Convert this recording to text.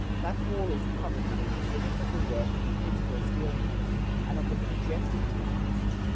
That hall is covered with an exhibit of the work in Pittsburgh steel mills, and of the congested tenements.